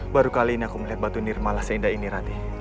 baru kali ini aku melihat batu nirmalah seindah ini ratih